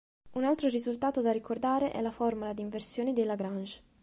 Un altro risultato da ricordare è la Formula di inversione di Lagrange.